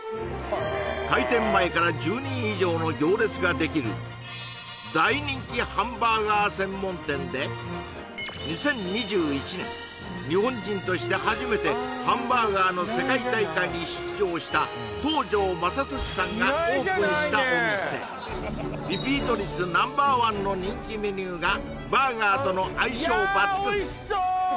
開店前から１０人以上の行列ができる２０２１年日本人として初めてハンバーガーの世界大会に出場した東條正寿さんがオープンしたお店リピート率Ｎｏ．１の人気メニューがバーガーとの相性抜群やおいしそう！